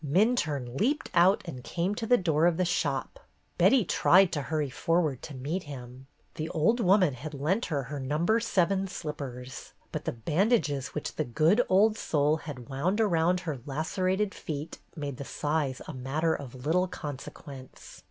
Minturne leaped out and came to the door of the shop. Betty tried to hurry forward to meet him. The old woman had lent her her number seven slippers, but the bandages which the good soul had wound around her lacerated feet made the size a matter of little consequence.